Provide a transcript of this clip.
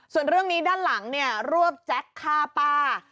ส่วนเรื่องนี้ด้านหลังเนี่ยรวบแจ็คฆ่าป้า